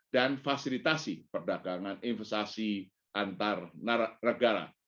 dan fasilitasi perdagangan investasi antar negara